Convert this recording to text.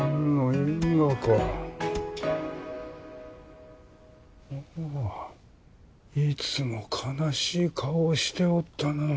いつも悲しい顔をしておったな。